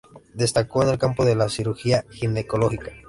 Destacó en el campo de la cirugía ginecológica.